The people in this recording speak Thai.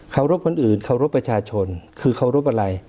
รบคนอื่นเคารพประชาชนคือเคารพอะไร